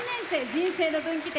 人生の分岐点。